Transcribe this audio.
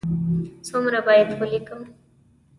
څومره باید ولیکم؟